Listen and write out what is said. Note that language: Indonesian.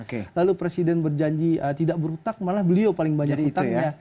kalau presiden berjanji tidak berhutang malah beliau paling banyak utangnya